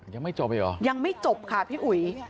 ยังไม่จบอีกเหรอยังไม่จบค่ะพี่อุ๋ย